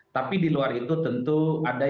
tapi di luar itu tentu ada yang menunggumu